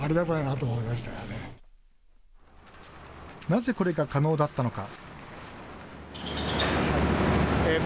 なぜこれが可能だったのか。